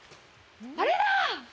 あれだ！